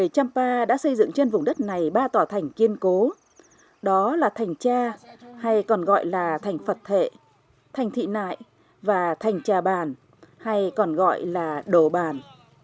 một trăm pa đã xây dựng trên vùng đất này ba tòa thành kiên cố đó là thành cha hay còn gọi là thành phật thệ thành thị nại và thành trà bàn hay còn gọi là đồ bàn